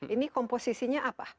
ini komposisinya apa